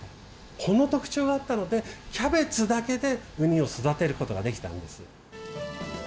この特徴があったのでキャベツだけでウニを育てることができたんです。